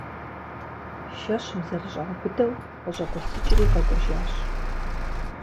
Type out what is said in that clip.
Шэщым зэрыщӏаубыдэу, къыщӏэкӏуэсыкӏри къэкӏуэжащ.